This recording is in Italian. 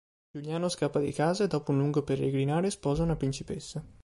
Giuliano scappa di casa e, dopo un lungo peregrinare, sposa una principessa.